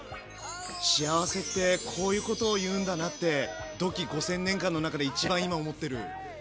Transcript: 幸せってこういうことをいうんだなってドッキー５，０００年間の中で一番今思ってる。